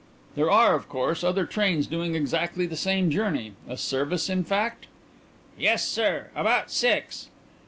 "There are, of course, other trains doing exactly the same journey a service, in fact?" "Yes, sir. About six."